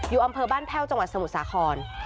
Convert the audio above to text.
อำเภอบ้านแพ่วจังหวัดสมุทรสาคร